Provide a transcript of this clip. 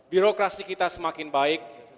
birokrasi kita semakin baik